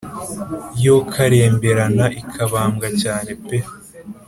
yokaremberana ikabambwa cyane pe